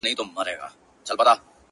همدم نه سو د یو ښکلي د ښکلو انجمن کي،